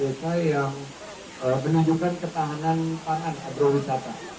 ini adalah desa yang menunjukkan ketahanan pangan agrowisata